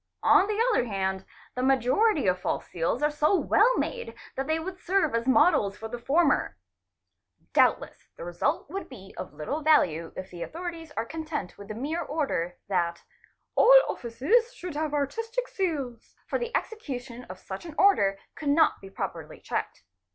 On the other hand the majority of false seals are so well made that they would serve as models for the former. — Doubtless the result would be of little value if the authorities are content — with the mere order that "'all offices should have artistic seals'' for the execution of such an order could not be properly checked.